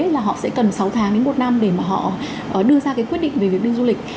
là họ sẽ cần sáu tháng đến một năm để mà họ đưa ra cái quyết định về việc đi du lịch